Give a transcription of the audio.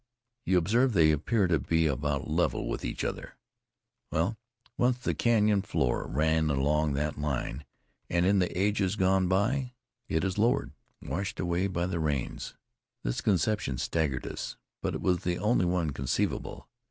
You observe they appear to be about level with each other. Well, once the Canyon floor ran along that line, and in the ages gone by it has lowered, washed away by the rains." This conception staggered us, but it was the only one conceivable.